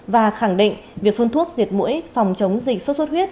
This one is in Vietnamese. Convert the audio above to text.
và khẳng định việc phun thuốc diệt mũi phòng chống dịch sốt xuất huyết